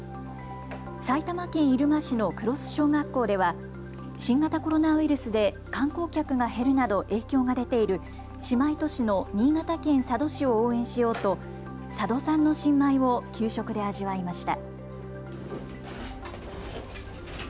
埼玉県入間市の黒須小学校では新型コロナウイルスで観光客が減るなど影響が出ている姉妹都市の新潟県佐渡市を応援しようと佐渡産の新米を給食で味わいました。